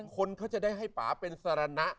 คนเขาจะได้ให้ป่าเป็นสารณะ